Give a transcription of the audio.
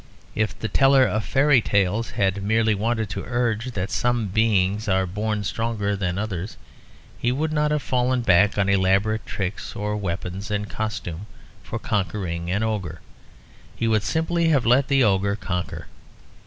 If the teller of fairy tales had merely wanted to urge that some beings are born stronger than others he would not have fallen back on elaborate tricks of weapon and costume for conquering an ogre. He would simply have let the ogre conquer.